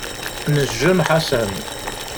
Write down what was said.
Nejjem Ḥasan.